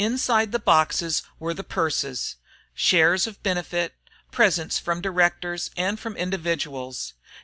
Inside the boxes were the purses, shares of benefit, presents from directors, and from individuals.